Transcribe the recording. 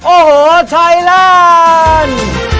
โอ้โหไทยแลนด์